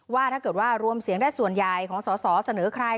ว่าถ้าเกิดว่ารวมเสียงได้ส่วนใหญ่ของสอสอเสนอใคร